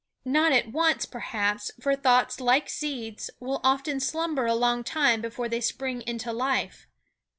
Not at once, perhaps, for thoughts like seeds will often slumber a long time before they spring into life.